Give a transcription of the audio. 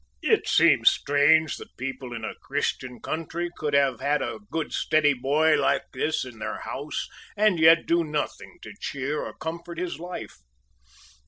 It seems strange that people in a Christian country could have had a good steady boy like this in their house and yet do nothing to cheer or comfort his life.